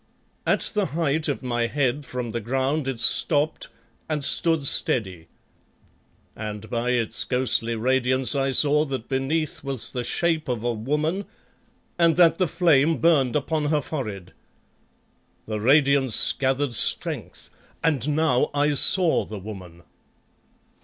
At the height of my head from the ground it stopped and stood steady, and by its ghostly radiance I saw that beneath was the shape of a woman and that the flame burned upon her forehead. The radiance gathered strength and now I saw the woman.